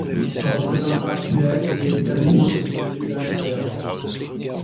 Son représentant actuel est Demlew Herihun Bayabel.